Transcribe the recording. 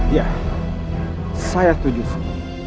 iya saya tujuh su